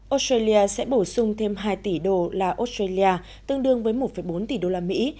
australia sẽ bổ sung thêm hai tỷ đô la australia tương đương với một bốn tỷ đô la mỹ